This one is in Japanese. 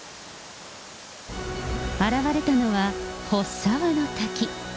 現れたのは、払沢の滝。